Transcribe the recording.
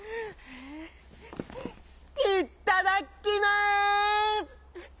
「いっただきます！」。